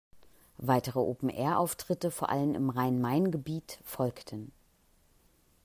Weitere Open-Air-Auftritte, vor allem im Rhein-Main-Gebiet, folgten.